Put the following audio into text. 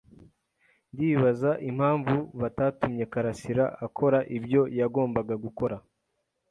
Ndibaza impamvu batatumye karasira akora ibyo yagombaga gukora.